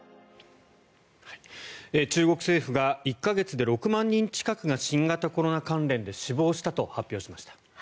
中国政府が１か月で６万人近くが新型コロナ関連で死亡したと発表しました。